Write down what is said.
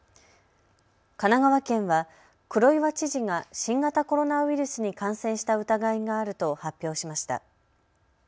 神奈川県は黒岩知事が新型コロナウイルスに感染した疑いがあると発表しました。